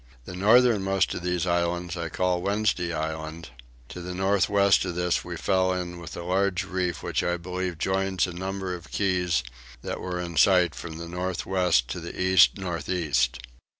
The northernmost of these islands I call Wednesday Island: to the north west of this we fell in with a large reef which I believe joins a number of keys that were in sight from the north west to the east north east.